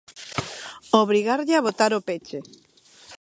Obrigarlle a botar o peche.